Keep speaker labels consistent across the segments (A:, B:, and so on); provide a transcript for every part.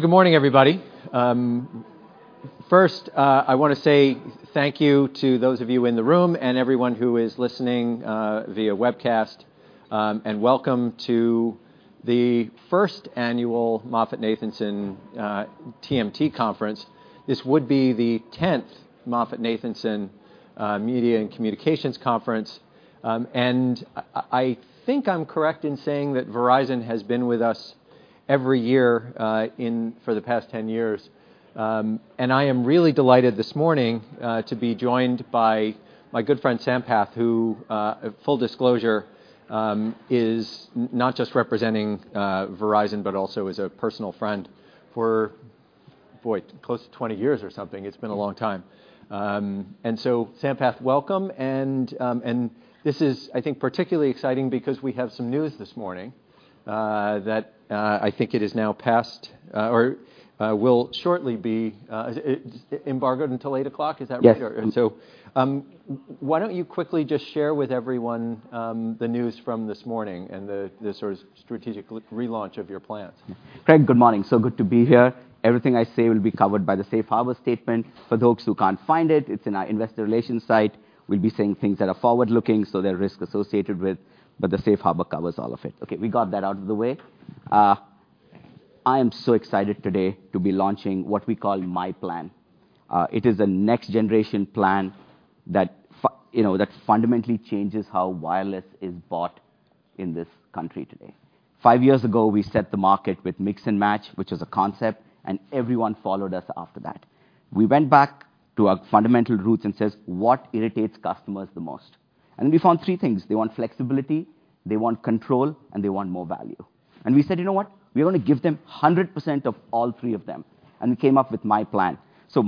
A: Good morning, everybody. First, I want to say thank you to those of you in the room and everyone who is listening via webcast, welcome to the first annual MoffettNathanson TMT Conference. This would be the 10th MoffettNathanson Media and Communications Conference. I think I'm correct in saying that Verizon has been with us every year for the past 10 years. I am really delighted this morning to be joined by my good friend, Sampath, who, full disclosure, is not just representing Verizon, but also is a personal friend for, boy, close to 20 years or something. It's been a long time. Sampath, welcome. This is, I think, particularly exciting because we have some news this morning that I think it is now past or will shortly be, is it embargoed until 8:00 A.M.? Is that right?
B: Yes.
A: Why don't you quickly just share with everyone, the news from this morning and the sort of strategic re-launch of your plans.
B: Craig, good morning. Good to be here. Everything I say will be covered by the safe harbor statement. For those who can't find it's in our investor relations site. We'll be saying things that are forward-looking, so there are risks associated with, but the safe harbor covers all of it. Okay, we got that out of the way. I am so excited today to be launching what we call myPlan. It is a next generation plan that you know, that fundamentally changes how wireless is bought in this country today. Five years ago, we set the market with Mix & Match, which is a concept, and everyone followed us after that. We went back to our fundamental roots and says, "What irritates customers the most?" We found three things. They want flexibility, they want control, and they want more value. We said, "You know what? We wanna give them 100% of all three of them," and we came up with myPlan.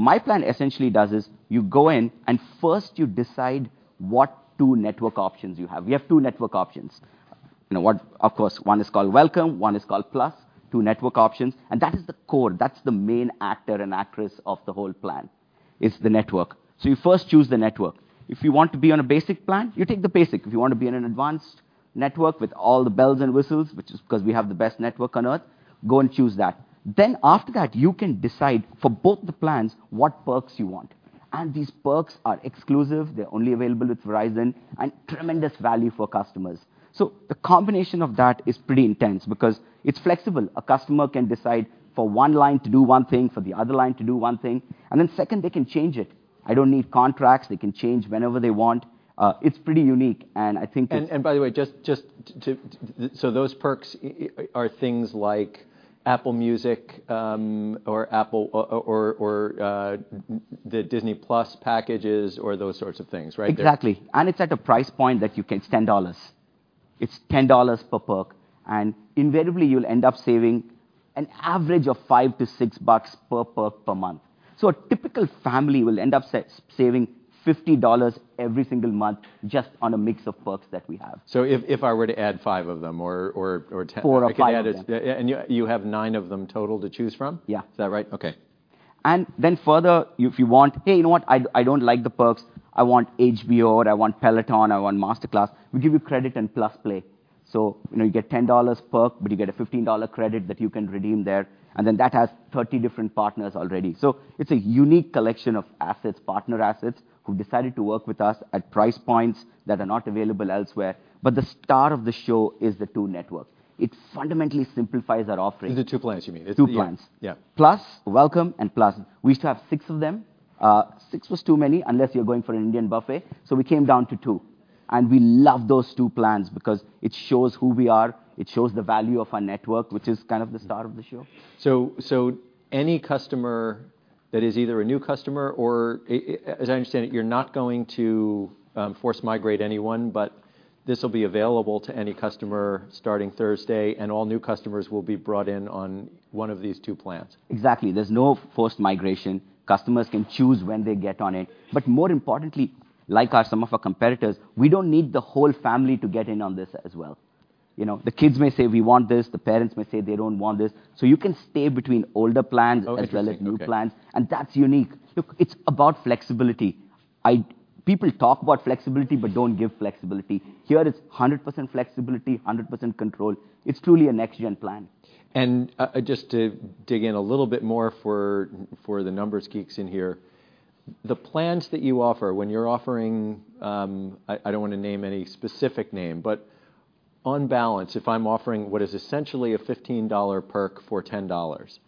B: myPlan essentially does is you go in and first you decide what two network options you have. We have two network options. You know what? Of course, one is called Welcome, one is called Plus, two network options, and that is the core. That's the main actor and actress of the whole plan. It's the network. You first choose the network. If you want to be on a basic plan, you take the basic. If you want to be in an advanced network with all the bells and whistles, which is because we have the best network on Earth, go and choose that. After that, you can decide for both the plans what perks you want. These perks are exclusive, they're only available with Verizon, and tremendous value for customers. The combination of that is pretty intense because it's flexible. A customer can decide for one line to do one thing, for the other line to do one thing, and then second, they can change it. I don't need contracts. They can change whenever they want. It's pretty unique.
A: by the way, just to. Those perks are things like Apple Music, or Apple or the Disney+ packages or those sorts of things, right?
B: Exactly. It's at a price point that you can. It's $10. It's $10 per perk, and invariably you'll end up saving an average of $5-$6 per perk per month. A typical family will end up saving $50 every single month just on a mix of perks that we have.
A: if I were to add 5 of them or te-
B: Four or five of them.
A: I could add Yeah, you have nine of them total to choose from?
B: Yeah.
A: Is that right? Okay.
B: Further, if you want, "Hey, you know what? I don't like the perks. I want HBO or I want Peloton, I want MasterClass," we give you credit and +play. You know, you get a $10 perk, but you get a $15 credit that you can redeem there, that has 30 different partners already. It's a unique collection of assets, partner assets, who decided to work with us at price points that are not available elsewhere. The star of the show is the two networks. It fundamentally simplifies our offering.
A: The two plans you mean.
B: Two plans.
A: Yeah.
B: Plus, Welcome and Plus. We used to have six of them. Six was too many, unless you're going for an Indian buffet. We came down to two, and we love those two plans because it shows who we are. It shows the value of our network, which is kind of the star of the show.
A: Any customer that is either a new customer or As I understand it, you're not going to force migrate anyone. This will be available to any customer starting Thursday. All new customers will be brought in on one of these two plans.
B: Exactly. There's no forced migration. Customers can choose when they get on it. More importantly, like some of our competitors, we don't need the whole family to get in on this as well. You know, the kids may say, "We want this," the parents may say they don't want this. You can stay between older plans.
A: Oh, interesting. Okay....
B: as well as new plans, and that's unique. Look, it's about flexibility. People talk about flexibility but don't give flexibility. Here it's 100% flexibility, 100% control. It's truly a next-gen plan.
A: Just to dig in a little bit more for the numbers geeks in here, the plans that you offer, when you're offering, I don't wanna name any specific name, but on balance, if I'm offering what is essentially a $15 perk for $10,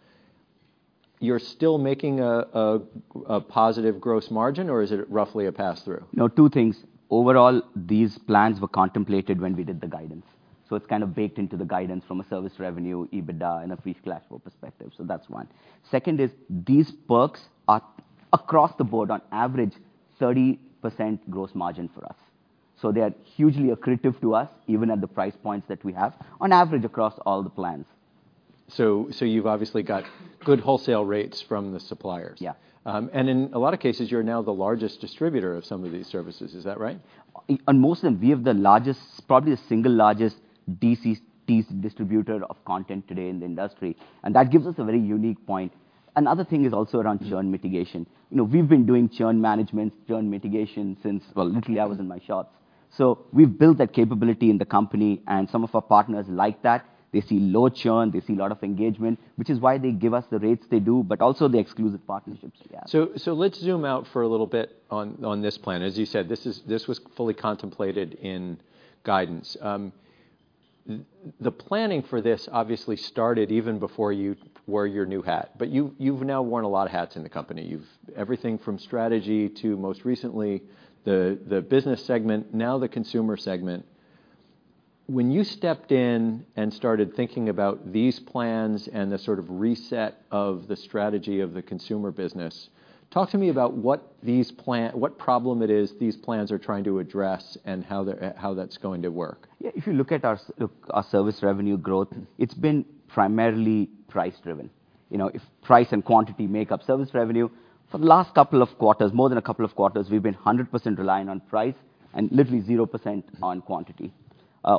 A: you're still making a positive gross margin or is it roughly a pass-through?
B: Two things. Overall, these plans were contemplated when we did the guidance. It's kind of baked into the guidance from a service revenue, EBITDA, and a free cash flow perspective. That's one. Second is these perks are across the board, on average, 30% gross margin for us. They are hugely accretive to us, even at the price points that we have, on average across all the plans.
A: You've obviously got good wholesale rates from the suppliers.
B: Yeah.
A: In a lot of cases, you're now the largest distributor of some of these services. Is that right?
B: On most of them, we have the largest, probably the single largest DC distributor of content today in the industry, and that gives us a very unique point. Another thing is also around churn mitigation. You know, we've been doing churn management, churn mitigation since, well, literally I was in my shorts. We've built that capability in the company, and some of our partners like that. They see low churn, they see a lot of engagement, which is why they give us the rates they do, but also the exclusive partnerships we have.
A: Let's zoom out for a little bit on this plan. As you said, this was fully contemplated in guidance. The planning for this obviously started even before you wore your new hat, but you've now worn a lot of hats in the company. Everything from strategy to, most recently, the business segment, now the consumer segment. When you stepped in and started thinking about these plans and the sort of reset of the strategy of the consumer business, talk to me about what problem it is these plans are trying to address and how that's going to work.
B: If you look at our service revenue growth, it's been primarily price driven. You know, if price and quantity make up service revenue, for the last couple of quarters, more than a couple of quarters, we've been 100% reliant on price and literally 0% on quantity.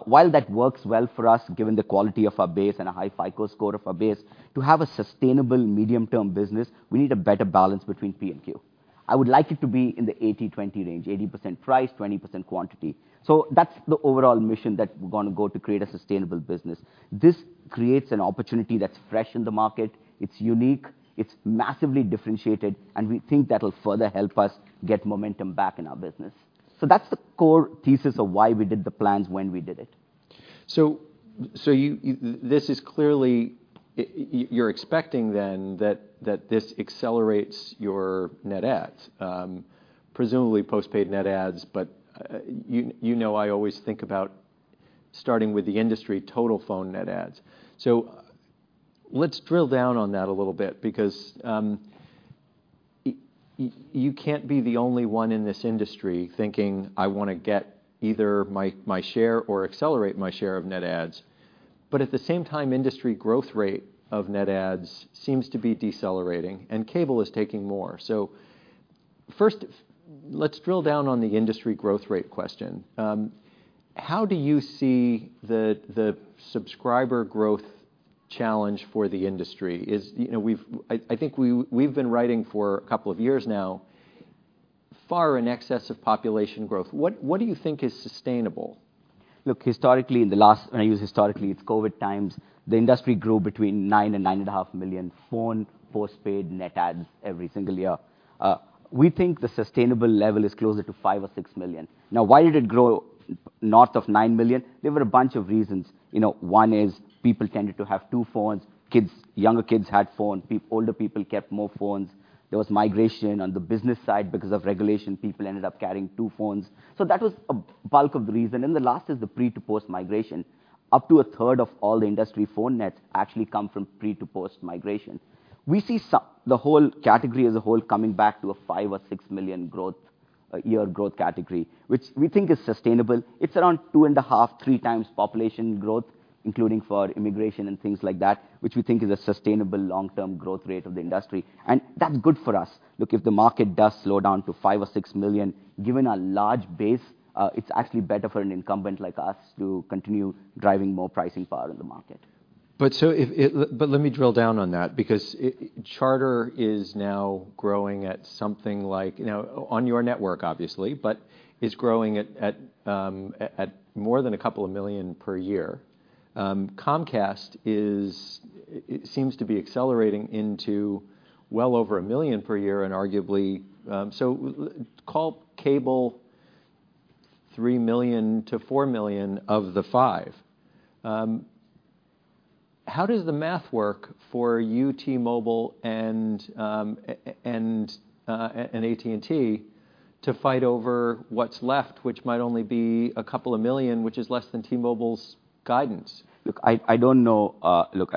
B: While that works well for us, given the quality of our base and a high FICO score of our base, to have a sustainable medium-term business, we need a better balance between P&Q. I would like it to be in the 80/20 range, 80% price, 20% quantity. That's the overall mission that we're gonna go to create a sustainable business. This creates an opportunity that's fresh in the market. It's unique, it's massively differentiated, and we think that'll further help us get momentum back in our business. That's the core thesis of why we did the plans when we did it.
A: You, this is clearly you're expecting then that this accelerates your net adds, presumably postpaid net adds, but you know I always think about starting with the industry total phone net adds. Let's drill down on that a little bit because you can't be the only one in this industry thinking, "I wanna get either my share or accelerate my share of net adds." At the same time, industry growth rate of net adds seems to be decelerating, and cable is taking more. First, let's drill down on the industry growth rate question. How do you see the subscriber growth challenge for the industry? You know, we've I think we've been writing for a couple of years now, far in excess of population growth. What do you think is sustainable?
B: Look, historically, in the last -- when I use historically, it's COVID times, the industry grew between 9 million and 9.5 million phone postpaid net adds every single year. We think the sustainable level is closer to 5 million or 6 million. Why did it grow north of 9 million? There were a bunch of reasons. You know, one is people tended to have two phones. Kids, younger kids had phones, older people kept more phones. There was migration on the business side. Because of regulation, people ended up carrying two phones. That was a bulk of the reason. The last is the pre to post migration. Up to a third of all the industry phone nets actually come from pre to post migration. We see the whole category as a whole coming back to a $5 million or $6 million growth, year growth category, which we think is sustainable. It's around 2.5x, 3x population growth, including for immigration and things like that, which we think is a sustainable long-term growth rate of the industry. That's good for us. Look, if the market does slow down to $5 million or $6 million, given our large base, it's actually better for an incumbent like us to continue driving more pricing power in the market.
A: If, let me drill down on that because Charter is now growing at something like, you know, on your network obviously, but is growing at more than 2 million per year. Comcast is, it seems to be accelerating into well over 1 million per year and arguably. Call cable 3 million-4 million of the 5 million. How does the math work for you, T-Mobile, and AT&T to fight over what's left, which might only be 2 million, which is less than T-Mobile's guidance?
B: Look, I don't know. Look,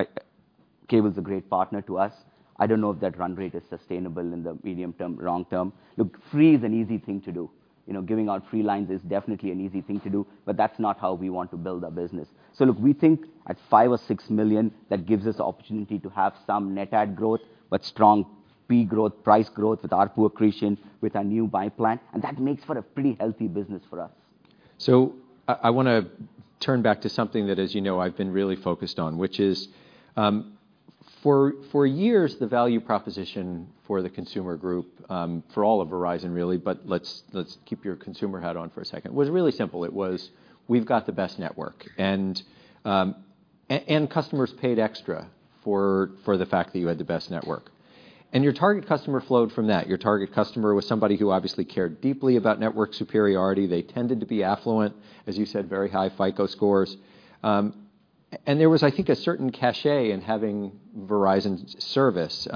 B: Cable's a great partner to us. I don't know if that run rate is sustainable in the medium term, long term. Look, free is an easy thing to do. You know, giving out free lines is definitely an easy thing to do. That's not how we want to build our business. Look, we think at $5 million or $6 million, that gives us opportunity to have some net add growth, but strong fee growth, price growth with ARPU accretion with our new myPlan, and that makes for a pretty healthy business for us.
A: I wanna turn back to something that, as you know, I've been really focused on, which is, for years, the value proposition for the consumer group, for all of Verizon really, but let's keep your consumer hat on for a second, was really simple. It was, "We've got the best network." Customers paid extra for the fact that you had the best network, and your target customer flowed from that. Your target customer was somebody who obviously cared deeply about network superiority. They tended to be affluent. As you said, very high FICO scores. There was, I think, a certain cachet in having Verizon's service,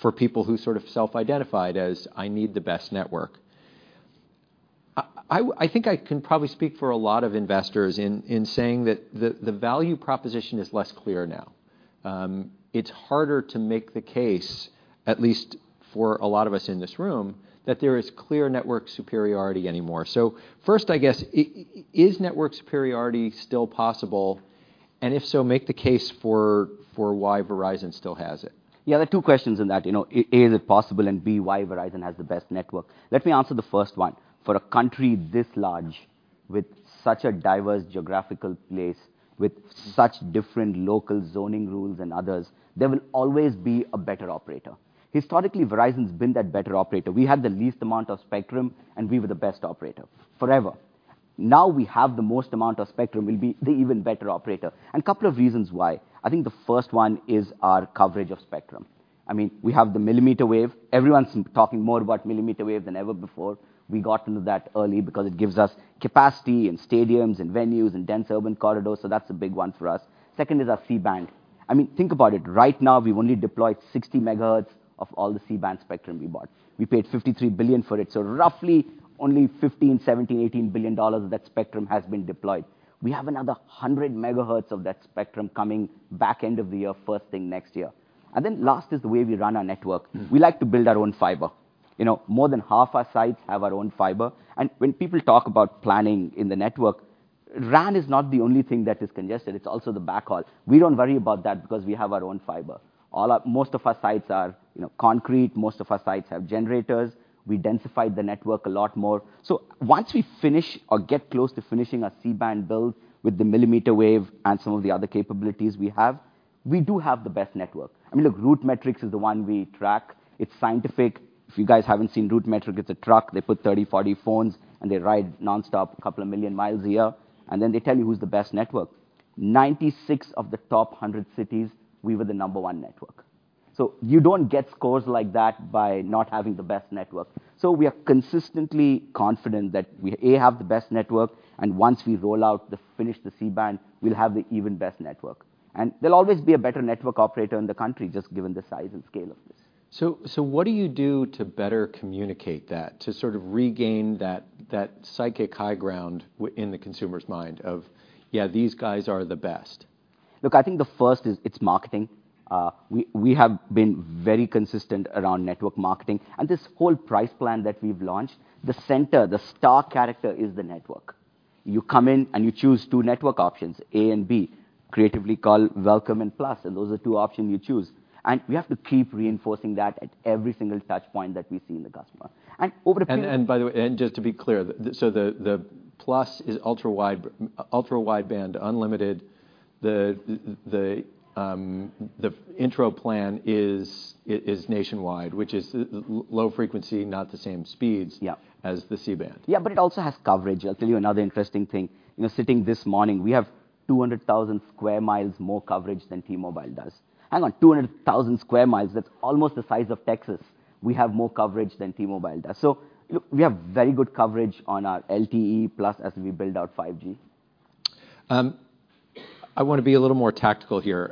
A: for people who sort of self-identified as, "I need the best network." I think I can probably speak for a lot of investors in saying that the value proposition is less clear now. It's harder to make the case, at least for a lot of us in this room, that there is clear network superiority anymore. First, I guess, is network superiority still possible? If so, make the case for why Verizon still has it.
B: Yeah, there are two questions in that. You know, a, is it possible, and b, why Verizon has the best network? Let me answer the first one. For a country this large with such a diverse geographical place with such different local zoning rules and others, there will always be a better operator. Historically, Verizon's been that better operator. We had the least amount of spectrum, and we were the best operator forever. Now we have the most amount of spectrum, we'll be the even better operator. A couple of reasons why. I think the first one is our coverage of spectrum. I mean, we have the millimeter wave. Everyone's talking more about millimeter wave than ever before. We got into that early because it gives us capacity in stadiums and venues and dense urban corridors, so that's a big one for us. Second is our C-band. I mean, think about it. Right now, we've only deployed 60 megahertz of all the C-band spectrum we bought. We paid $53 billion for it, so roughly only $15 billion, $17 billion, $18 billion of that spectrum has been deployed. We have another 100 megahertz of that spectrum coming back end of the year, first thing next year. Last is the way we run our network.
A: Mm.
B: We like to build our own fiber. You know, more than half our sites have our own fiber. When people talk about planning in the network, RAN is not the only thing that is congested, it's also the backhaul. We don't worry about that because we have our own fiber. Most of our sites are, you know, concrete. Most of our sites have generators. We densified the network a lot more. Once we finish or get close to finishing our C-band build with the millimeter wave and some of the other capabilities we have, we do have the best network. I mean, look, RootMetrics is the one we track. It's scientific. If you guys haven't seen RootMetrics, it's a truck, they put 30 phones, 40 phones and they ride nonstop couple of million miles a year, and then they tell you who's the best network. 96 of the top 100 cities, we were the number one network. You don't get scores like that by not having the best network. We are consistently confident that we, A, have the best network, and once we roll out the finish the C-band, we'll have the even best network. There'll always be a better network operator in the country just given the size and scale of this.
A: What do you do to better communicate that, to sort of regain that psychic high ground in the consumer's mind of, "Yeah, these guys are the best"?
B: Look, I think the first is it's marketing. we have been very consistent around network marketing and this whole price plan that we've launched, the center, the star character is the network. You come in, and you choose two network options, A and B, creatively called Welcome and Plus, and those are two options you choose. we have to keep reinforcing that at every single touch point that we see in the customer. over the period.
A: The Plus is Ultra Wideband unlimited. The intro plan is nationwide, which is low frequency, not the same speeds.
B: Yeah
A: as the C-band.
B: Yeah, it also has coverage. I'll tell you another interesting thing. You know, sitting this morning, we have 200,000 sq mi more coverage than T-Mobile does. Hang on, 200,000 sq mi, that's almost the size of Texas, we have more coverage than T-Mobile does. Look, we have very good coverage on our LTE Plus as we build out 5G.
A: I wanna be a little more tactical here,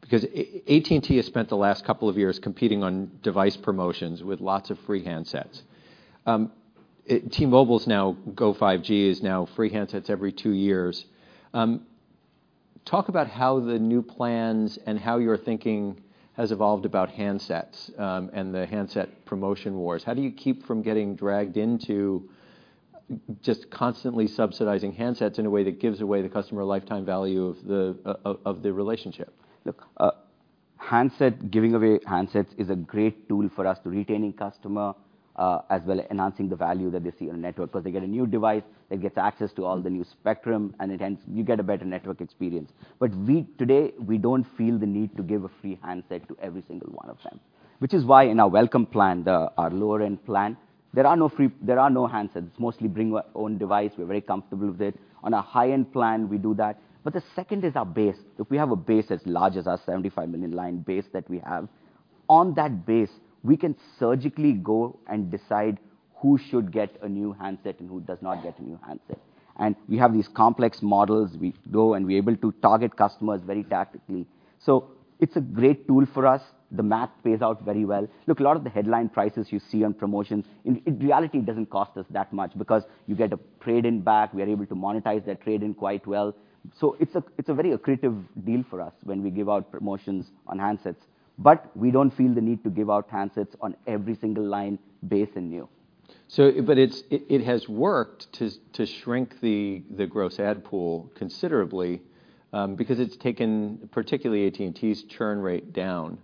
A: because AT&T has spent the last couple of years competing on device promotions with lots of free handsets. T-Mobile's now Go5G is now free handsets every two years. Talk about how the new plans and how your thinking has evolved about handsets, and the handset promotion wars. How do you keep from getting dragged into just constantly subsidizing handsets in a way that gives away the customer lifetime value of the relationship?
B: Look, handset, giving away handsets is a great tool for us to retaining customer, as well enhancing the value that they see on a network, because they get a new device that gets access to all the new spectrum and you get a better network experience. We, today, we don't feel the need to give a free handset to every single one of them. Which is why in our Welcome plan, the, our lower-end plan, there are no handsets, mostly bring your own device. We're very comfortable with it. On our high-end plan, we do that. The second is our base. If we have a base as large as our 75 million line base that we have, on that base, we can surgically go and decide who should get a new handset and who does not get a new handset. We have these complex models. We go and we're able to target customers very tactically. It's a great tool for us. The math pays out very well. Look, a lot of the headline prices you see on promotions, in reality, it doesn't cost us that much because you get a trade-in back. We are able to monetize that trade-in quite well. It's a very accretive deal for us when we give out promotions on handsets. We don't feel the need to give out handsets on every single line base and new.
A: It has worked to shrink the gross add pool considerably, because it's taken particularly AT&T's churn rate down.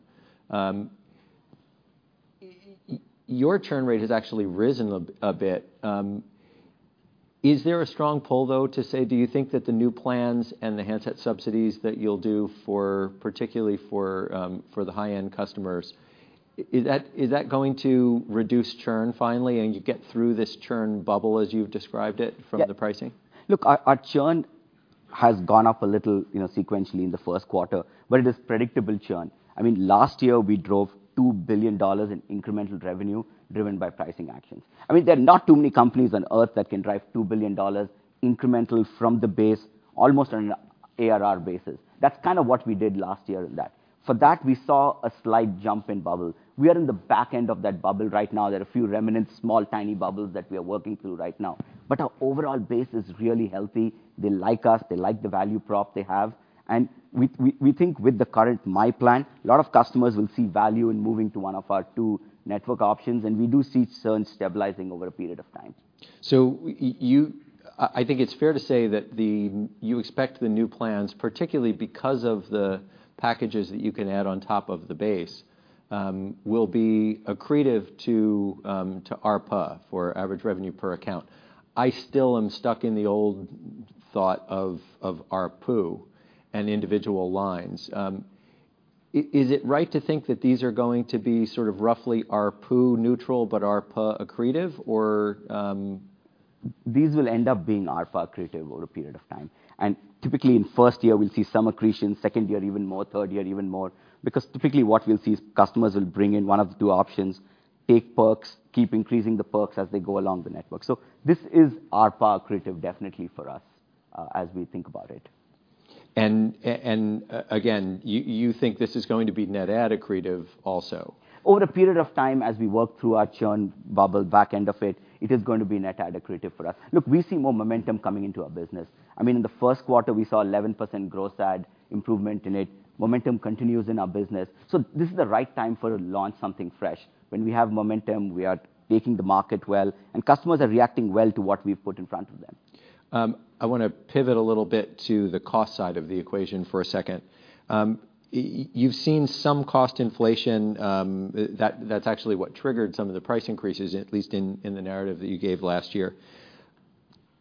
A: Your churn rate has actually risen a bit. Is there a strong pull though to say, do you think that the new plans and the handset subsidies that you'll do for, particularly for the high-end customers, is that going to reduce churn finally and you get through this churn bubble as you've described it from the pricing?
B: Look, our churn has gone up a little, you know, sequentially in the first quarter. It is predictable churn. Last year we drove $2 billion in incremental revenue driven by pricing actions. There are not too many companies on Earth that can drive $2 billion incremental from the base almost on an ARR basis. That's kind of what we did last year in that. For that, we saw a slight jump in bubble. We are in the back end of that bubble right now. There are a few remnant small, tiny bubbles that we are working through right now. Our overall base is really healthy. They like us. They like the value prop they have. We think with the current myPlan, a lot of customers will see value in moving to one of our two network options, and we do see churn stabilizing over a period of time.
A: You, I think it's fair to say that you expect the new plans, particularly because of the packages that you can add on top of the base, will be accretive to ARPA for average revenue per account. I still am stuck in the old thought of ARPU and individual lines. Is it right to think that these are going to be sort of roughly ARPU neutral, but ARPA accretive or?
B: These will end up being ARPA accretive over a period of time. Typically, in first year we'll see some accretion, second year even more, third year even more. Typically what we'll see is customers will bring in one of the two options, take perks, keep increasing the perks as they go along the network. This is ARPA accretive definitely for us as we think about it.
A: Again, you think this is going to be net add accretive also.
B: Over a period of time as we work through our churn bubble back end of it is going to be net add accretive for us. Look, we're seeing more momentum coming into our business. I mean, in the first quarter, we saw 11% gross add improvement in it. Momentum continues in our business. This is the right time for to launch something fresh. When we have momentum, we are taking the market well, and customers are reacting well to what we've put in front of them.
A: I wanna pivot a little bit to the cost side of the equation for a second. You've seen some cost inflation, that's actually what triggered some of the price increases, at least in the narrative that you gave last year.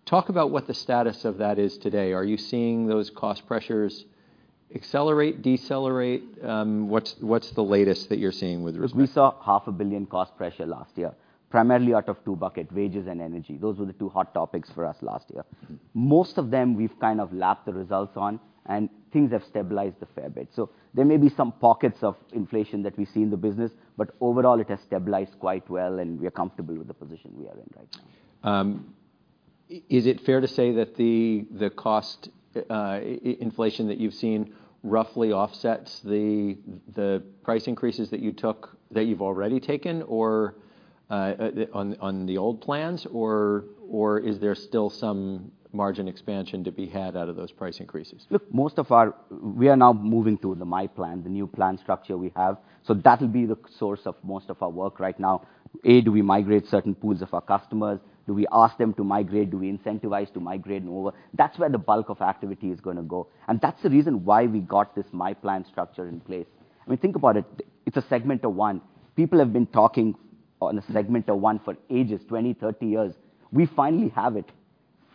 A: Talk about what the status of that is today. Are you seeing those cost pressures accelerate, decelerate? What's the latest that you're seeing with respect.
B: Look, we saw half a billion cost pressure last year, primarily out of two buckets, wages and energy. Those were the two hot topics for us last year. Most of them we've kind of lapped the results on, and things have stabilized a fair bit. There may be some pockets of inflation that we see in the business, but overall it has stabilized quite well, and we are comfortable with the position we are in right now.
A: Is it fair to say that the cost, inflation that you've seen roughly offsets the price increases that you took, that you've already taken, or, on the old plans, or is there still some margin expansion to be had out of those price increases?
B: Look, we are now moving to the myPlan, the new plan structure we have. That'll be the source of most of our work right now. A, do we migrate certain pools of our customers? Do we ask them to migrate? Do we incentivize to migrate and over? That's where the bulk of activity is gonna go. That's the reason why we got this myPlan structure in place. I mean, think about it's a segment of one. People have been talking on a segment of one for ages, 20 years, 30 years. We finally have it.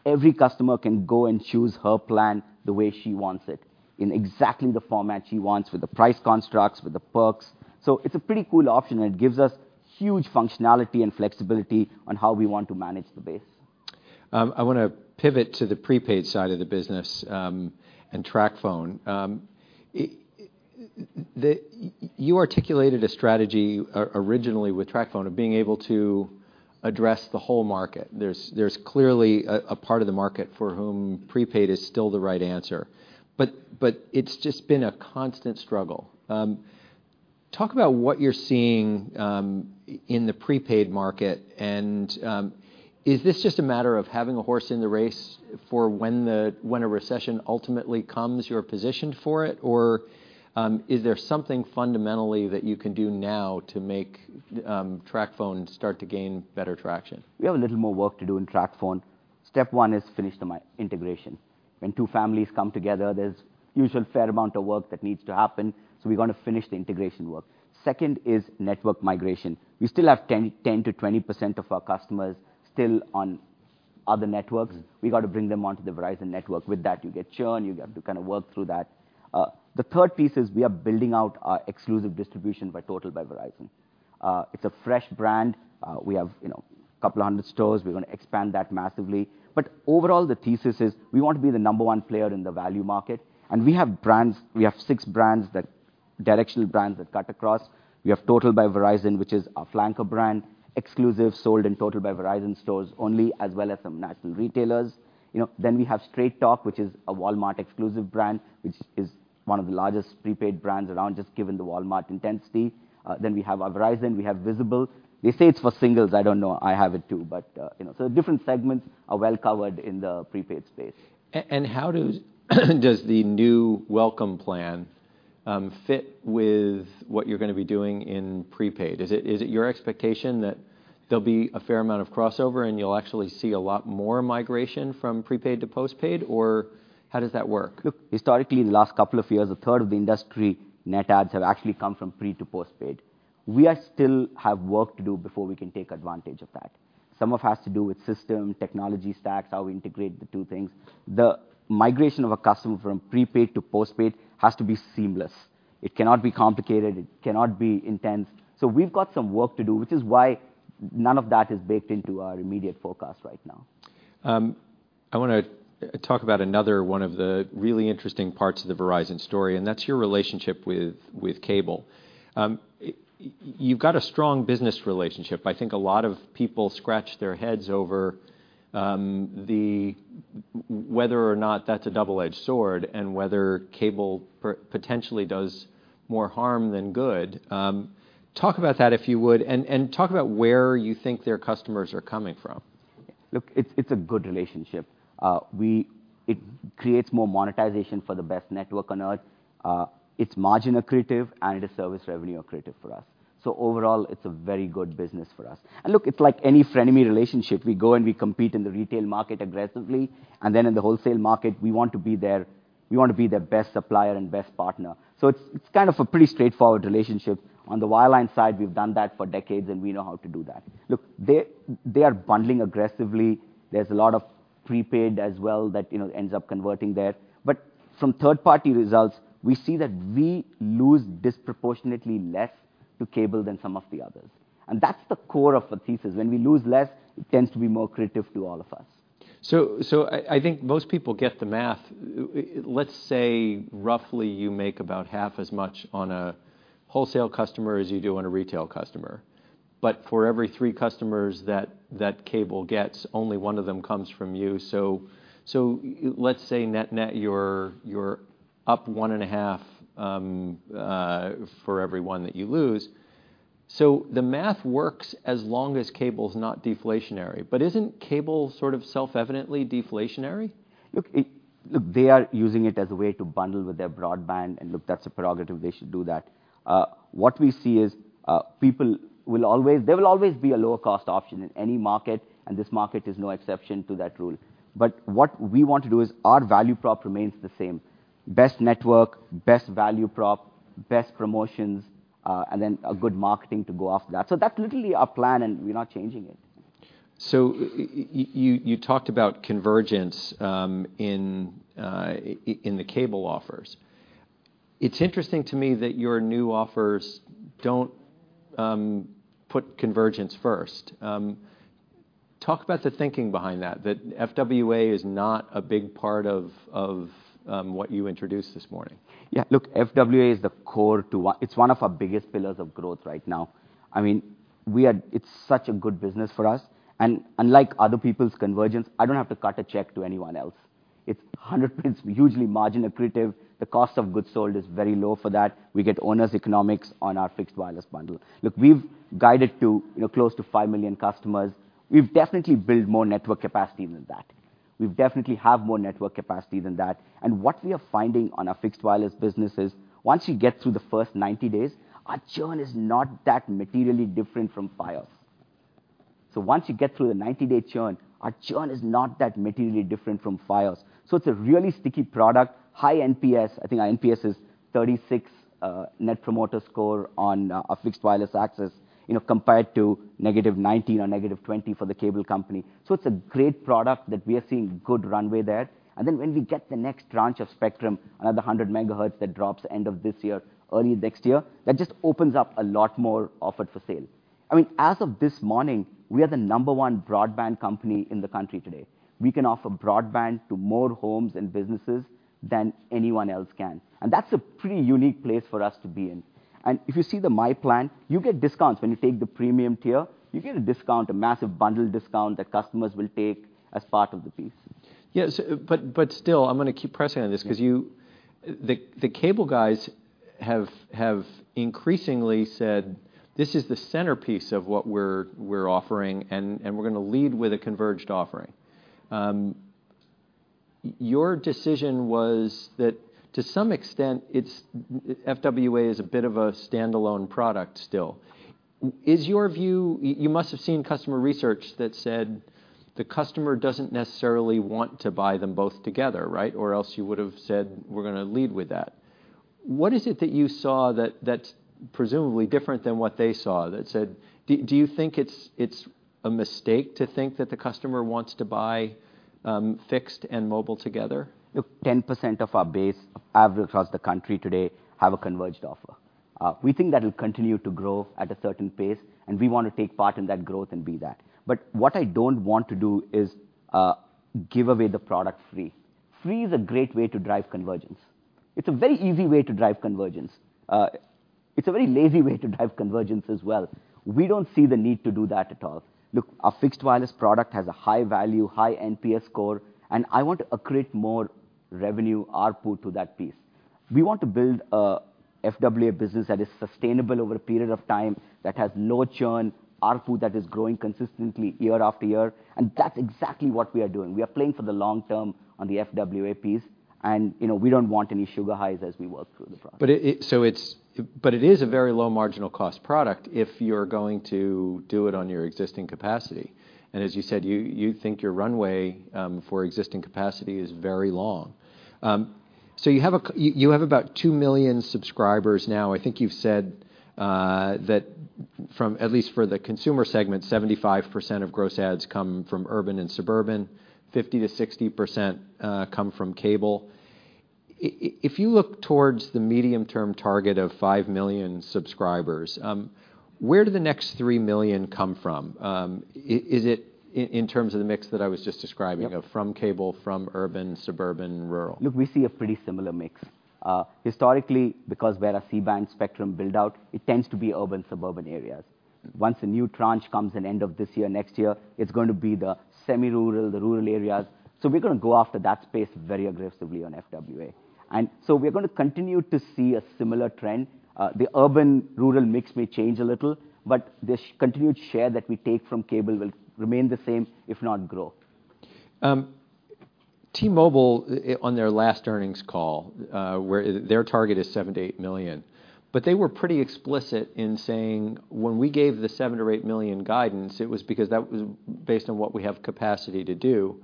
B: Every customer can go and choose her plan the way she wants it, in exactly the format she wants with the price constructs, with the perks. It's a pretty cool option, and it gives us huge functionality and flexibility on how we want to manage the base.
A: I wanna pivot to the prepaid side of the business, and TracFone. You articulated a strategy originally with TracFone of being able to address the whole market. There's clearly a part of the market for whom prepaid is still the right answer. It's just been a constant struggle. Talk about what you're seeing in the prepaid market and, is this just a matter of having a horse in the race for when a recession ultimately comes, you're positioned for it? Is there something fundamentally that you can do now to make TracFone start to gain better traction?
B: We have a little more work to do in TracFone. Step one is finish the integration. When two families come together, there's usual fair amount of work that needs to happen, we're gonna finish the integration work. Second is network migration. We still have 10%-20% of our customers still on other networks. We got to bring them onto the Verizon network. With that, you get churn, you have to kinda work through that. The third piece is we are building out our exclusive distribution by Total by Verizon. It's a fresh brand. We have, you know, a couple hundred stores. We're gonna expand that massively. Overall, the thesis is we want to be the number one player in the value market. We have brands, we have six brands that... directionally brands that cut across. We have Total by Verizon, which is a flanker brand, exclusive, sold in Total by Verizon stores only, as well as some national retailers. You know, we have Straight Talk, which is a Walmart exclusive brand, which is one of the largest prepaid brands around just given the Walmart intensity. We have our Verizon, we have Visible. They say it's for singles. I don't know. I have it too. You know. Different segments are well covered in the prepaid space.
A: How does the new Welcome Plan fit with what you're gonna be doing in prepaid? Is it your expectation that there'll be a fair amount of crossover and you'll actually see a lot more migration from prepaid to postpaid, or how does that work?
B: Look, historically, the last two years, a third of the industry net adds have actually come from pre to postpaid. We are still have work to do before we can take advantage of that. Some of it has to do with system, technology stacks, how we integrate the two things. The migration of a customer from prepaid to postpaid has to be seamless. It cannot be complicated. It cannot be intense. We've got some work to do, which is why none of that is baked into our immediate forecast right now.
A: I wanna talk about another one of the really interesting parts of the Verizon story, and that's your relationship with Cable. You've got a strong business relationship. I think a lot of people scratch their heads over whether or not that's a double-edged sword and whether Cable potentially does more harm than good. Talk about that, if you would, and talk about where you think their customers are coming from.
B: Look, it's a good relationship. It creates more monetization for the best network on Earth. It's margin accretive, and it is service revenue accretive for us. Overall, it's a very good business for us. Look, it's like any frenemy relationship. We go and we compete in the retail market aggressively, and then in the wholesale market, we want to be their best supplier and best partner. It's kind of a pretty straightforward relationship. On the wireline side, we've done that for decades, and we know how to do that. Look, they are bundling aggressively. There's a lot of prepaid as well that, you know, ends up converting there. From third-party results, we see that we lose disproportionately less to cable than some of the others. That's the core of the thesis. When we lose less, it tends to be more accretive to all of us.
A: I think most people get the math. Let's say roughly you make about half as much on a wholesale customer as you do on a retail customer. For every three customers that cable gets, only one of them comes from you. Let's say net-net you're up one and a half for every one that you lose. The math works as long as cable's not deflationary. Isn't cable sort of self-evidently deflationary?
B: Look, they are using it as a way to bundle with their broadband. Look, that's a prerogative. They should do that. What we see is, people will always be a lower cost option in any market, and this market is no exception to that rule. What we want to do is our value prop remains the same. Best network, best value prop, best promotions, and then a good marketing to go after that. That's literally our plan, and we're not changing it.
A: You talked about convergence in the cable offers. It's interesting to me that your new offers don't put convergence first. Talk about the thinking behind that FWA is not a big part of what you introduced this morning.
B: Yeah. Look, FWA is the core to it's one of our biggest pillars of growth right now. I mean, it's such a good business for us. Unlike other people's convergence, I don't have to cut a check to anyone else. It's 100% hugely margin accretive. The cost of goods sold is very low for that. We get owner's economics on our fixed wireless bundle. Look, we've guided to, you know, close to 5 million customers. We've definitely built more network capacity than that. We definitely have more network capacity than that. What we are finding on our fixed wireless business is once you get through the first 90 days, our churn is not that materially different from Fios. Once you get through the 90-day churn, our churn is not that materially different from Fios. It's a really sticky product, high NPS. I think our NPS is 36, Net Promoter Score on our fixed wireless access, you know, compared to -19 NPS or -20 NPS for the cable company. It's a great product that we are seeing good runway there. When we get the next tranche of spectrum, another 100 megahertz that drops end of this year, early next year, that just opens up a lot more offered for sale. I mean, as of this morning, we are the number 1 broadband company in the country today. We can offer broadband to more homes and businesses than anyone else can, that's a pretty unique place for us to be in. If you see the myPlan, you get discounts when you take the premium tier. You get a discount, a massive bundle discount that customers will take as part of the piece.
A: I'm gonna keep pressing on this 'cause you the cable guys have increasingly said, "This is the centerpiece of what we're offering, and we're gonna lead with a converged offering." Your decision was that to some extent, it's FWA is a bit of a standalone product still. Is your view you must have seen customer research that said the customer doesn't necessarily want to buy them both together, right? You would have said, "We're gonna lead with that." What is it that you saw that's presumably different than what they saw that said Do you think it's a mistake to think that the customer wants to buy fixed and mobile together?
B: Look, 10% of our base average across the country today have a converged offer. We think that'll continue to grow at a certain pace, and we wanna take part in that growth and be that. What I don't want to do is give away the product free. Free is a great way to drive convergence. It's a very easy way to drive convergence. It's a very lazy way to drive convergence as well. We don't see the need to do that at all. Look, our fixed wireless product has a high value, high NPS score, and I want to accrete more revenue ARPU to that piece. We want to build a FWA business that is sustainable over a period of time, that has low churn, ARPU that is growing consistently year after year, and that's exactly what we are doing. We are playing for the long term on the FWA piece, and, you know, we don't want any sugar highs as we work through the product.
A: It is a very low marginal cost product if you're going to do it on your existing capacity. As you said, you think your runway for existing capacity is very long. You have about 2 million subscribers now. I think you've said that from, at least for the consumer segment, 75% of gross adds come from urban and suburban, 50%-60% come from cable. If you look towards the medium-term target of 5 million subscribers, where do the next 3 million subscribers come from? Is it in terms of the mix that I was just describing-
B: Yep...
A: from cable, from urban, suburban, rural?
B: Look, we see a pretty similar mix. Historically, because we're a C-band spectrum build-out, it tends to be urban/suburban areas. Once a new tranche comes in end of this year, next year, it's going to be the semi-rural, the rural areas. We're gonna go after that space very aggressively on FWA. We're gonna continue to see a similar trend. The urban-rural mix may change a little, but the continued share that we take from cable will remain the same, if not grow.
A: T-Mobile on their last earnings call, where their target is 7 million-8 million, they were pretty explicit in saying, "When we gave the 7 million-8 million guidance, it was because that was based on what we have capacity to do."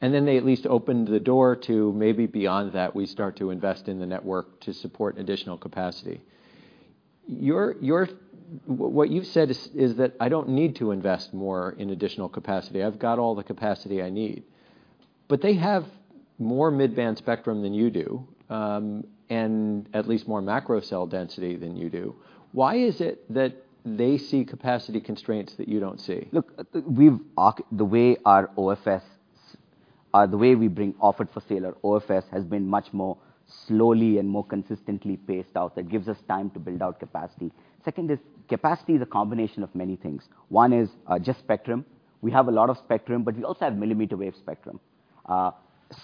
A: They at least opened the door to maybe beyond that, we start to invest in the network to support additional capacity. What you've said is that I don't need to invest more in additional capacity. I've got all the capacity I need. They have more mid-band spectrum than you do, and at least more macro cell density than you do. Why is it that they see capacity constraints that you don't see?
B: The way our OFS, the way we bring offered for sale, our OFS, has been much more slowly and more consistently paced out. That gives us time to build out capacity. Second is capacity is a combination of many things. One is just spectrum. We also have millimeter wave spectrum.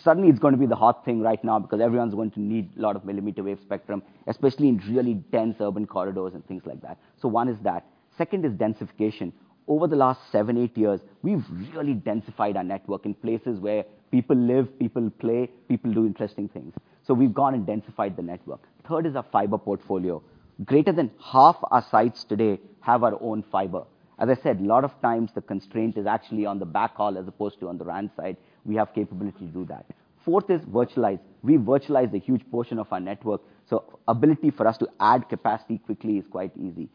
B: Suddenly it's gonna be the hot thing right now because everyone's going to need a lot of millimeter wave spectrum, especially in really dense urban corridors and things like that. One is that. Second is densification. Over the last seven, eight years, we've really densified our network in places where people live, people play, people do interesting things. We've gone and densified the network. Third is our fiber portfolio. Greater than half our sites today have our own fiber. I said, a lot of times the constraint is actually on the back haul as opposed to on the RAN site. We have capability to do that. Fourth is virtualize. We virtualize a huge portion of our network, so ability for us to add capacity quickly is quite easy.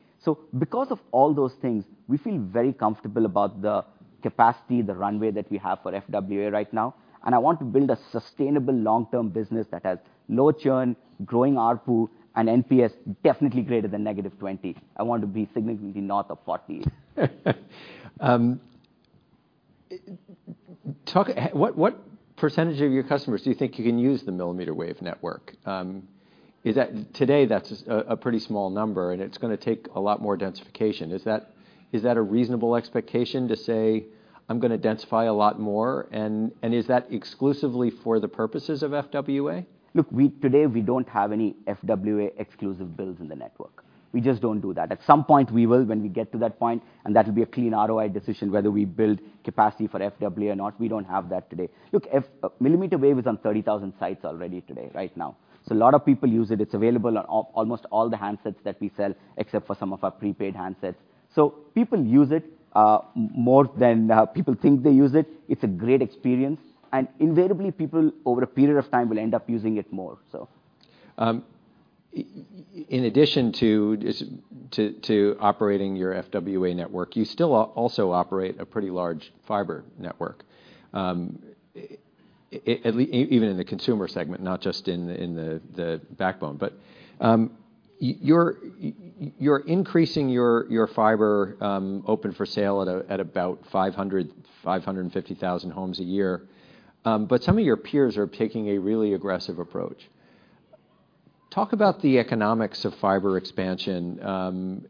B: Because of all those things, we feel very comfortable about the capacity, the runway that we have for FWA right now. I want to build a sustainable long-term business that has low churn, growing ARPU, and NPS definitely greater than -20 NPS. I want to be significantly north of 48 NPS.
A: What percentage of your customers do you think you can use the millimeter wave network? Today that's a pretty small number, and it's gonna take a lot more densification. Is that a reasonable expectation to say, "I'm gonna densify a lot more," and is that exclusively for the purposes of FWA?
B: Look, today we don't have any FWA exclusive builds in the network. We just don't do that. At some point we will when we get to that point, that will be a clean ROI decision whether we build capacity for FWA or not. We don't have that today. Look, millimeter wave is on 30,000 sites already today, right now, a lot of people use it. It's available on almost all the handsets that we sell, except for some of our prepaid handsets. People use it more than people think they use it. It's a great experience, invariably people, over a period of time, will end up using it more so.
A: In addition to just operating your FWA network, you still also operate a pretty large fiber network. Even in the consumer segment, not just in the backbone. You're increasing your fiber open for sale at about 500,000 homes-550,000 homes a year, but some of your peers are taking a really aggressive approach. Talk about the economics of fiber expansion,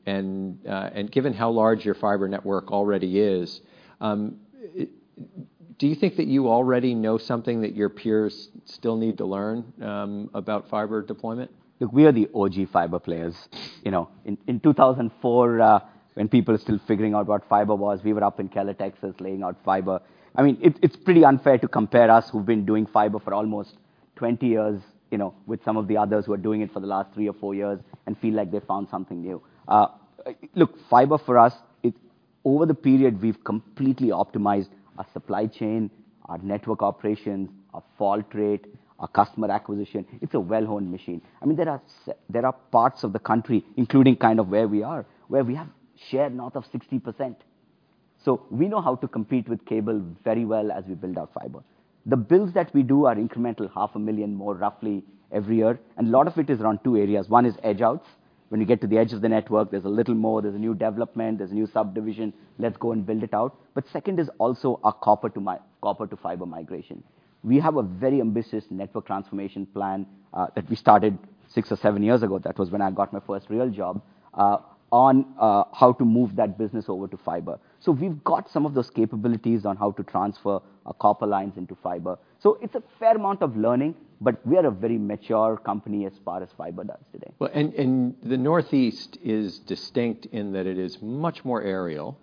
A: and given how large your fiber network already is, do you think that you already know something that your peers still need to learn about fiber deployment?
B: Look, we are the OG fiber players. You know, in 2004, when people were still figuring out what fiber was, we were up in Keller, Texas, laying out fiber. I mean, it's pretty unfair to compare us, who've been doing fiber for almost 20 years, you know, with some of the others who are doing it for the last three or four years and feel like they found something new. Look, fiber for us. Over the period we've completely optimized our supply chain, our network operations, our fault rate, our customer acquisition. It's a well-honed machine. I mean, there are parts of the country, including kind of where we are, where we have share north of 60%. We know how to compete with cable very well as we build our fiber. The builds that we do are incremental, half a million more roughly every year, a lot of it is around two areas. One is edge outs. When you get to the edge of the network, there's a little more, there's a new development, there's a new subdivision, let's go and build it out. Second is also our copper to fiber migration. We have a very ambitious network transformation plan that we started six or seven years ago, that was when I got my first real job on how to move that business over to fiber. We've got some of those capabilities on how to transfer our copper lines into fiber. It's a fair amount of learning, but we are a very mature company as far as fiber goes today.
A: Well, and the Northeast is distinct in that it is much more aerial,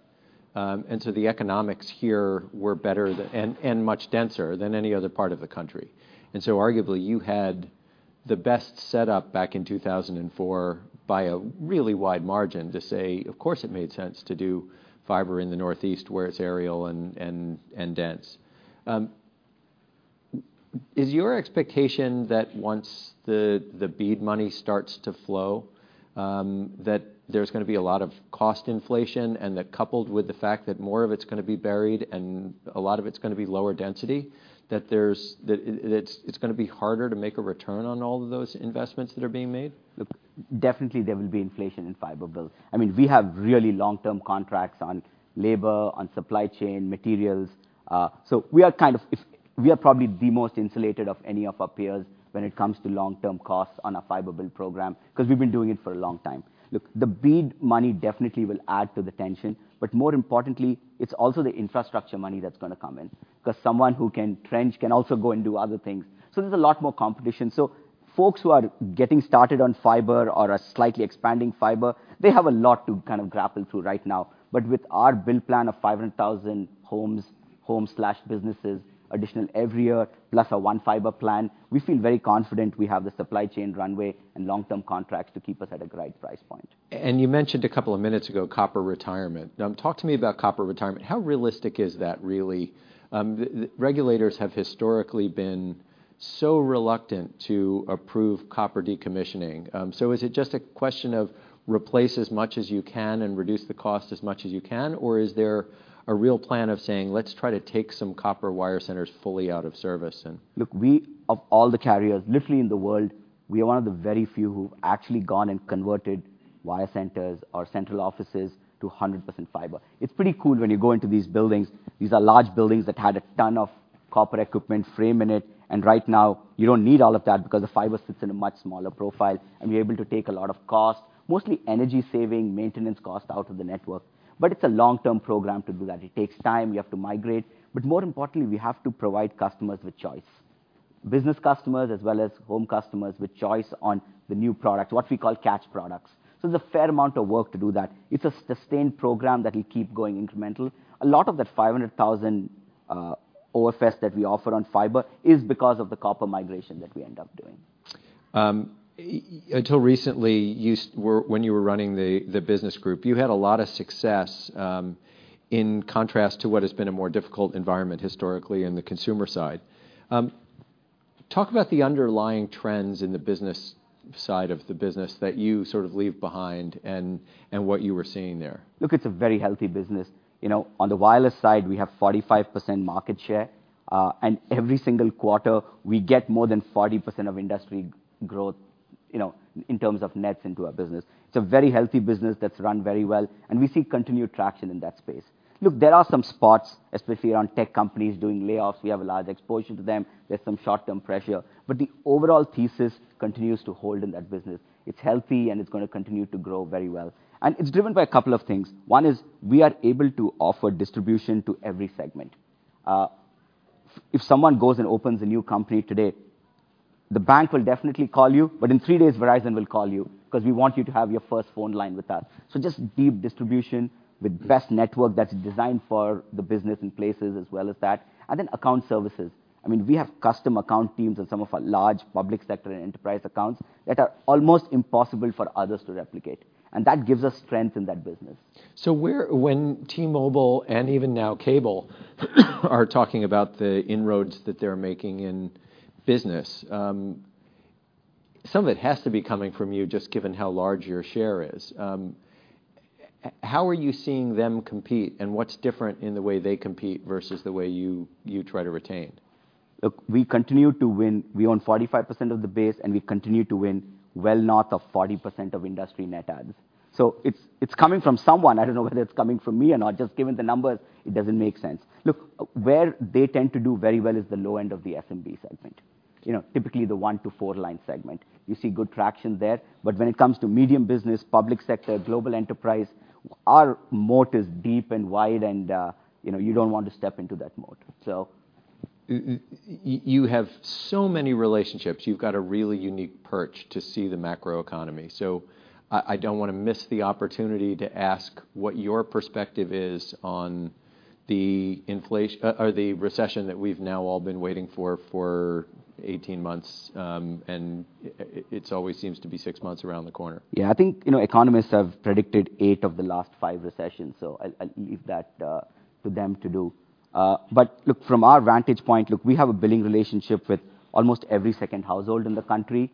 A: and so the economics here were better and much denser than any other part of the country. Arguably, you had the best setup back in 2004 by a really wide margin to say, "Of course, it made sense to do fiber in the Northeast where it's aerial and dense." Is your expectation that once the BEAD money starts to flow, that there's gonna be a lot of cost inflation, and that coupled with the fact that more of it's gonna be buried and a lot of it's gonna be lower density, that it's gonna be harder to make a return on all of those investments that are being made?
B: Definitely there will be inflation in fiber build. I mean, we have really long-term contracts on labor, on supply chain, materials. So we are probably the most insulated of any of our peers when it comes to long-term costs on a fiber build program, 'cause we've been doing it for a long time. The BEAD money definitely will add to the tension. More importantly, it's also the infrastructure money that's gonna come in, 'cause someone who can trench can also go and do other things. There's a lot more competition. Folks who are getting started on fiber or are slightly expanding fiber, they have a lot to kind of grapple through right now. With our build plan of 500,000 homes/businesses additional every year, plus our One Fiber plan, we feel very confident we have the supply chain runway and long-term contracts to keep us at a great price point.
A: You mentioned a couple of minutes ago copper retirement. Talk to me about copper retirement. How realistic is that really? The regulators have historically been so reluctant to approve copper decommissioning. Is it just a question of replace as much as you can and reduce the cost as much as you can, or is there a real plan of saying, "Let's try to take some copper wire centers fully out of service.
B: We of all the carriers literally in the world, we are one of the very few who've actually gone and converted wire centers or central offices to 100% fiber. It's pretty cool when you go into these buildings. These are large buildings that had a ton of copper equipment frame in it, and right now you don't need all of that because the fiber sits in a much smaller profile, and you're able to take a lot of cost, mostly energy saving, maintenance cost out of the network. It's a long-term program to do that. It takes time. You have to migrate. More importantly, we have to provide customers with choice, business customers as well as home customers with choice on the new product, what we call catch products. There's a fair amount of work to do that. It's a sustained program that will keep going incremental. A lot of that 500,000 OFS that we offer on fiber is because of the copper migration that we end up doing.
A: Until recently, you were when you were running the business group, you had a lot of success, in contrast to what has been a more difficult environment historically in the consumer side. Talk about the underlying trends in the business side of the business that you sort of leave behind and what you were seeing there.
B: It's a very healthy business. You know, on the wireless side, we have 45% market share, and every single quarter, we get more than 40% of industry growth, you know, in terms of nets into our business. It's a very healthy business that's run very well, and we see continued traction in that space. There are some spots, especially around tech companies doing layoffs, we have a large exposure to them. There's some short-term pressure, but the overall thesis continues to hold in that business. It's healthy, and it's gonna continue to grow very well. It's driven by a couple of things. One is we are able to offer distribution to every segment. If someone goes and opens a new company today, the bank will definitely call you, but in three days, Verizon will call you because we want you to have your first phone line with us. Just deep distribution with best network that's designed for the business and places as well as that, and then account services. I mean, we have custom account teams in some of our large public sector and enterprise accounts that are almost impossible for others to replicate, and that gives us strength in that business.
A: When T-Mobile and even now Cable are talking about the inroads that they're making in business, some of it has to be coming from you just given how large your share is. How are you seeing them compete, and what's different in the way they compete versus the way you try to retain?
B: We continue to win. We own 45% of the base, and we continue to win well north of 40% of industry net adds. It's coming from someone. I don't know whether it's coming from me or not. Just given the numbers, it doesn't make sense. Where they tend to do very well is the low end of the SMB segment. You know, typically the 1 to 4 line segment. You see good traction there. When it comes to medium business, public sector, global enterprise, our moat is deep and wide and, you know, you don't want to step into that moat.
A: You have so many relationships. You've got a really unique perch to see the macroeconomy. I don't wanna miss the opportunity to ask what your perspective is on the or the recession that we've now all been waiting for for 18 months, and it's always seems to be six months around the corner.
B: I think, you know, economists have predicted eight of the last five recessions. I'll leave that to them to do. Look, from our vantage point, look, we have a billing relationship with almost every second household in the country,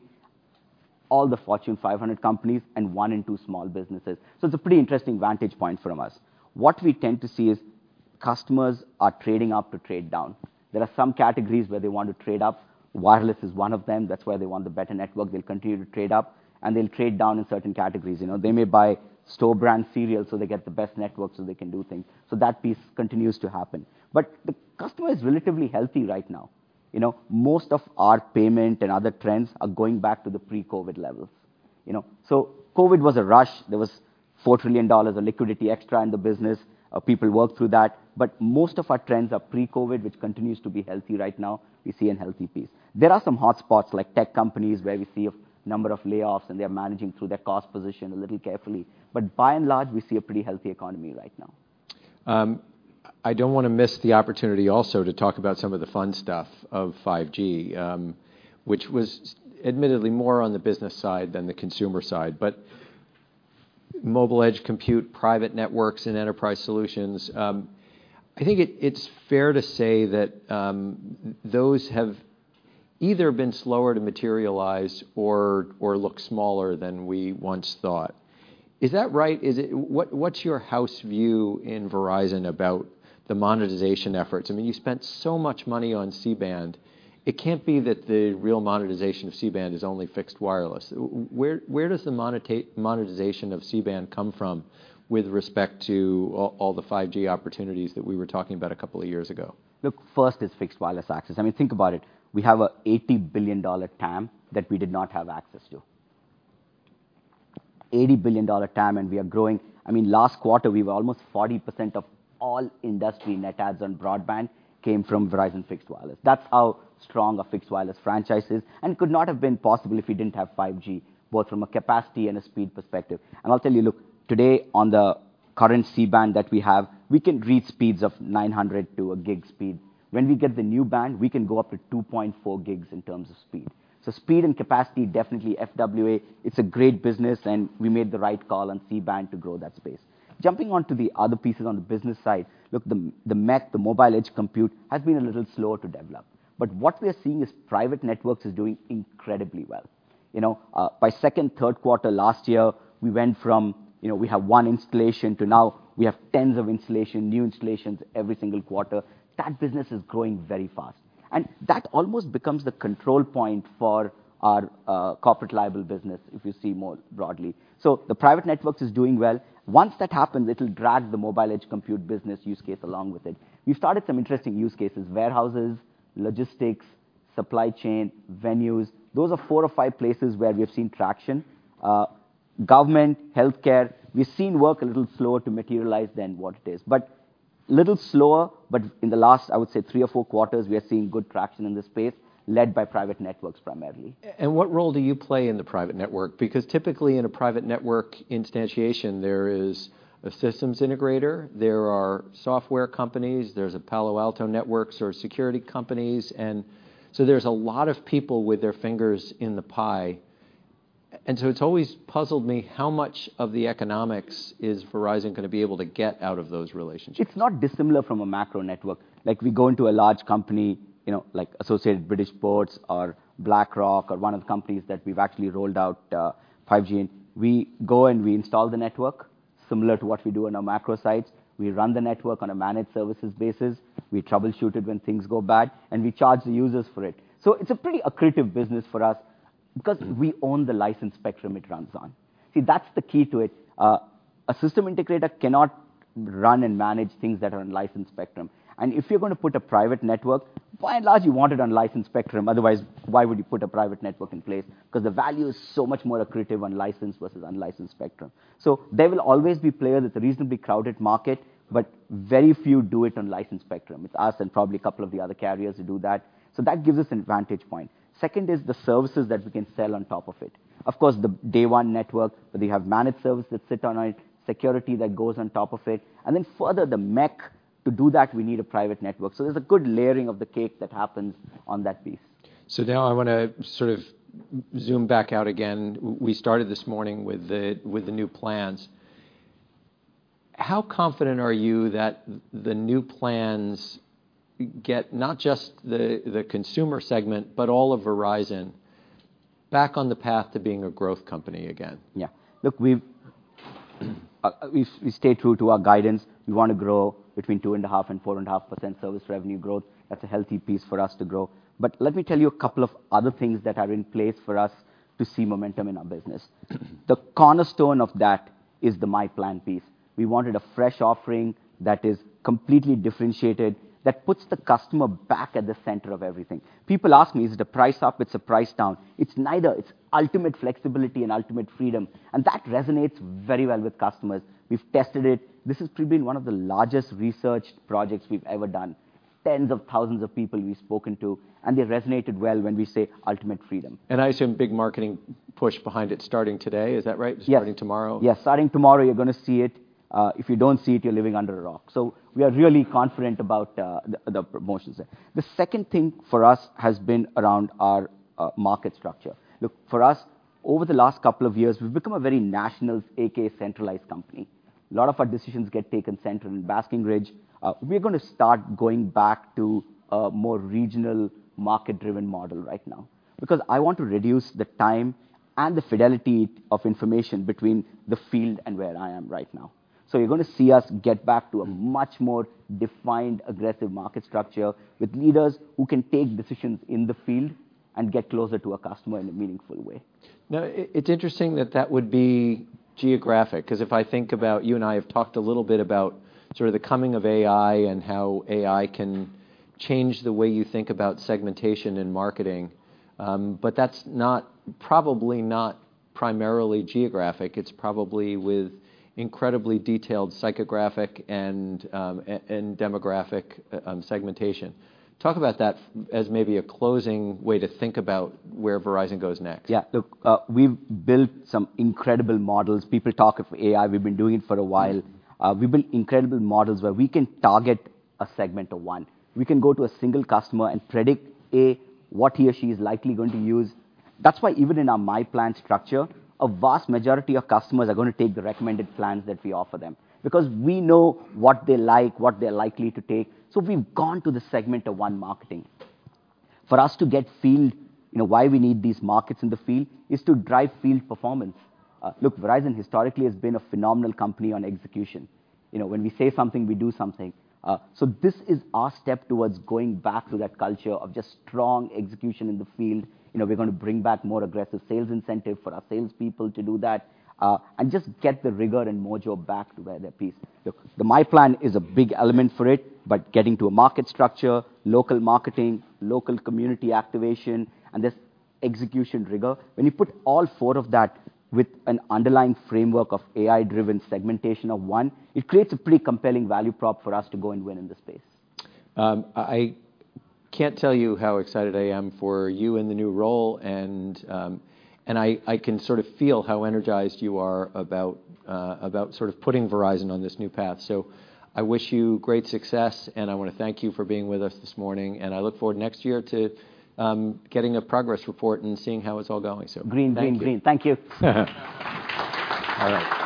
B: all the Fortune 500 companies, and one in two small businesses. It's a pretty interesting vantage point from us. What we tend to see is customers are trading up to trade down. There are some categories where they want to trade up. Wireless is one of them. That's why they want the better network. They'll continue to trade up, and they'll trade down in certain categories. You know, they may buy store brand cereal so they get the best network so they can do things. That piece continues to happen. The customer is relatively healthy right now. You know? Most of our payment and other trends are going back to the pre-COVID levels, you know. COVID was a rush. There was $4 trillion of liquidity extra in the business. People worked through that. Most of our trends are pre-COVID, which continues to be healthy right now. We see a healthy piece. There are some hotspots like tech companies where we see a number of layoffs and they are managing through their cost position a little carefully. By and large, we see a pretty healthy economy right now.
A: I don't wanna miss the opportunity also to talk about some of the fun stuff of 5G, which was admittedly more on the business side than the consumer side. Mobile Edge Computing, private networks and enterprise solutions, I think it's fair to say that those have either been slower to materialize or look smaller than we once thought. Is that right? What's your house view in Verizon about the monetization efforts? I mean, you spent so much money on C-band. It can't be that the real monetization of C-band is only fixed wireless. Where does the monetization of C-band come from with respect to all the 5G opportunities that we were talking about a couple of years ago?
B: Look, first it's Fixed Wireless Access. I mean, think about it. We have a $80 billion TAM that we did not have access to. $80 billion TAM, and we are growing. I mean, last quarter we were almost 40% of all industry net adds on broadband came from Verizon Fixed Wireless. That's how strong a Fixed Wireless franchise is, and could not have been possible if we didn't have 5G, both from a capacity and a speed perspective. I'll tell you, look, today on the current C-band that we have, we can reach speeds of 900 to a gig speed. When we get the new band, we can go up to 2.4 gigs in terms of speed. Speed and capacity, definitely FWA, it's a great business and we made the right call on C-band to grow that space. Jumping on to the other pieces on the business side, look, the MEC, the Mobile Edge Computing, has been a little slower to develop. What we are seeing is private networks is doing incredibly well. You know, by second, third quarter last year, we went from, you know, we have one installation to now we have tens of installation, new installations every single quarter. That business is growing very fast. That almost becomes the control point for our corporate liable business, if you see more broadly. The private networks is doing well. Once that happens, it'll drag the Mobile Edge Computing business use case along with it. We've started some interesting use cases, warehouses, logistics, supply chain, venues. Those are four or five places where we have seen traction. Government, healthcare, we've seen work a little slower to materialize than what it is. Little slower, but in the last, I would say, three or four quarters, we are seeing good traction in this space led by private networks primarily.
A: What role do you play in the private network? Because typically in a private network instantiation, there is a systems integrator, there are software companies, there's a Palo Alto Networks or security companies, and so there's a lot of people with their fingers in the pie. It's always puzzled me how much of the economics is Verizon gonna be able to get out of those relationships.
B: It's not dissimilar from a macro network. Like, we go into a large company, you know, like Associated British Ports or BlackRock or one of the companies that we've actually rolled out 5G. We go and we install the network similar to what we do on our macro sites. We run the network on a managed services basis, we troubleshoot it when things go bad, and we charge the users for it. It's a pretty accretive business for us because we own the license spectrum it runs on. That's the key to it. A system integrator cannot run and manage things that are on licensed spectrum. If you're gonna put a private network, by and large, you want it on licensed spectrum, otherwise, why would you put a private network in place? Because the value is so much more accretive on licensed versus unlicensed spectrum. There will always be players. It's a reasonably crowded market, but very few do it on licensed spectrum. It's us and probably a couple of the other carriers who do that. That gives us an advantage point. Second is the services that we can sell on top of it. Of course, the day one network, we have managed services that sit on it, security that goes on top of it, and then further the MEC. To do that, we need a private network. There's a good layering of the cake that happens on that piece.
A: Now I wanna sort of zoom back out again. We started this morning with the new plans. How confident are you that the new plans get not just the consumer segment, but all of Verizon back on the path to being a growth company again?
B: Look, we stay true to our guidance. We wanna grow between 2.5% and 4.5% service revenue growth. That's a healthy piece for us to grow. Let me tell you a couple of other things that are in place for us to see momentum in our business. The cornerstone of that is the myPlan piece. We wanted a fresh offering that is completely differentiated, that puts the customer back at the center of everything. People ask me, "Is it a price up? It's a price down?" It's neither. It's ultimate flexibility and ultimate freedom, and that resonates very well with customers. We've tested it. This has been one of the largest researched projects we've ever done, tens of thousands of people we've spoken to, and they resonated well when we say ultimate freedom.
A: I assume big marketing push behind it starting today. Is that right?
B: Yes.
A: Starting tomorrow?
B: Yes. Starting tomorrow, you're gonna see it. If you don't see it, you're living under a rock. We are really confident about the promotions there. The second thing for us has been around our market structure. Look, for us, over the last couple of years, we've become a very national, AKA centralized company. A lot of our decisions get taken central in Basking Ridge. We're gonna start going back to a more regional market-driven model right now, because I want to reduce the time and the fidelity of information between the field and where I am right now. You're gonna see us get back to a much more defined, aggressive market structure with leaders who can take decisions in the field and get closer to a customer in a meaningful way.
A: It's interesting that that would be geographic, because if I think about you and I have talked a little bit about sort of the coming of AI and how AI can change the way you think about segmentation and marketing, but that's not, probably not primarily geographic. It's probably with incredibly detailed psychographic and demographic segmentation. Talk about that as maybe a closing way to think about where Verizon goes next.
B: Look, we've built some incredible models. People talk of AI, we've been doing it for a while. We've built incredible models where we can target a segment of one. We can go to a single customer and predict, A, what he or she is likely going to use. That's why even in our myPlan structure, a vast majority of customers are gonna take the recommended plans that we offer them because we know what they like, what they're likely to take. We've gone to the segment of one marketing. For us to get field, you know, why we need these markets in the field is to drive field performance. Look, Verizon historically has been a phenomenal company on execution. You know, when we say something, we do something. This is our step towards going back to that culture of just strong execution in the field. You know, we're gonna bring back more aggressive sales incentive for our salespeople to do that, and just get the rigor and module back to where that piece. Look, the myPlan is a big element for it, but getting to a market structure, local marketing, local community activation, and this execution rigor, when you put all four of that with an underlying framework of AI-driven segmentation of one, it creates a pretty compelling value prop for us to go and win in the space.
A: I can't tell you how excited I am for you in the new role and I can sort of feel how energized you are about sort of putting Verizon on this new path. I wish you great success, and I wanna thank you for being with us this morning, and I look forward next year to getting a progress report and seeing how it's all going. Thank you.
B: Green, green. Thank you.
A: All right.